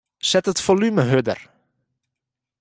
Set it folume hurder.